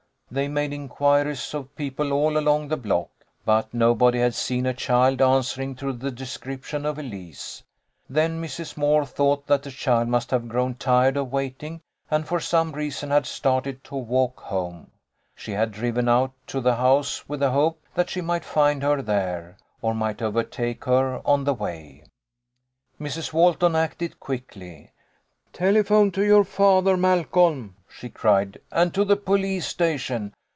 They made inquiries of people all along the block, but nobody had seen a child answering to the description of Elise. Then Mrs. Moore thought that the child must have grown tired of waiting, and for some reason had started to walk home. She had driven out to the house with the hope that she might find her there, or might overtake her on the way. Mrs. Walton acted quickly. "Telephone to your fathe^ Malcolm," she cried, "and to the police sta tion.